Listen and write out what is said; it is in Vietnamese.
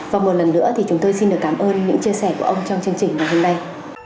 và một lần nữa thì chúng tôi xin được cảm ơn những chia sẻ của ông trong chương trình ngày hôm nay